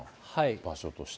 場所としては。